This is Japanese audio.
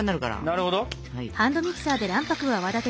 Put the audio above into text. なるほど。